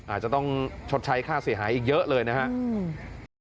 อาจจะต้องชดใช้ค่าเสียหายอีกเยอะเลยนะครับ